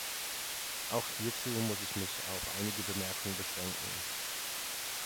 Auch hierzu muss ich mich auf einige Bemerkungen beschränken.